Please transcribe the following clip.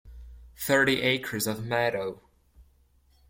Thirty acres of meadow.